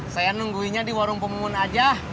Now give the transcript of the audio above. saya nungguinya di warung pemumun aja